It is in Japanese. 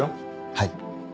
はい。